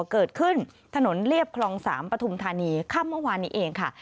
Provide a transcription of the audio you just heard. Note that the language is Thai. ถนนเรียบคลอง๓ปฐุมธานีค่ำเมื่อวานนี้เองค่ะ